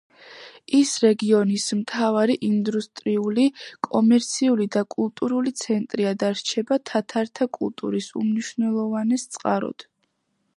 ის რეგიონის მთავარი ინდუსტრიული, კომერციული და კულტურული ცენტრია და რჩება თათართა კულტურის უმნიშვნელოვანეს წყაროდ.